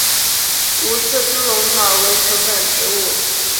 无刺猪笼草为藤本植物。